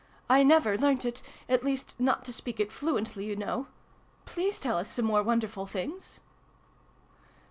" I never learnt it at least, not to speak it fluently, you know. Please tell us some more wonderful things